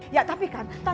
ya tapi kan tante laura